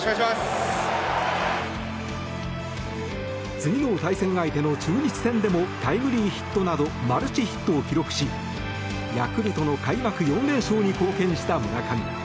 次の対戦相手の中日戦でもタイムリーヒットなどマルチヒットを記録しヤクルトの開幕４連勝に貢献した村上。